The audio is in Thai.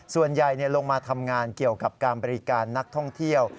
ส่วนใหญ่ลงมาทำงานเกี่ยวกับการบริการนักท่องเที่ยว